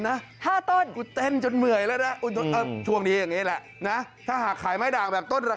อ่านยากเหลือเกินนะครับเขาเต้นแบบนี้เพื่อที่จะขายไม้ด่างนะครับ